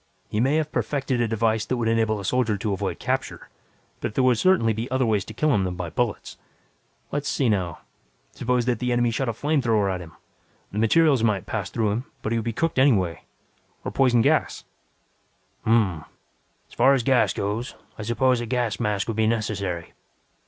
He may have perfected a device that would enable a soldier to avoid capture, but there would certainly be other ways to kill him than by bullets. Let's see now: suppose that the enemy shot a flamethrower at him. The burning materials might pass through him, but he would be cooked anyway. Or poison gas " "Hm m m. As far as gas goes, I suppose a gas mask would be necessary.